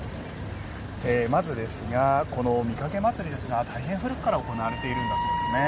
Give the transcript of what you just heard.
まずこの御蔭祭ですが大変古くから行われているんだそうですね。